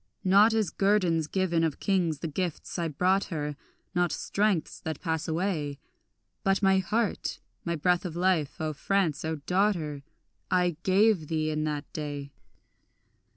Not as guerdons given of kings the gifts I brought her, Not strengths that pass away; But my heart, my breath of life, O France, O daughter, I gave thee in that day.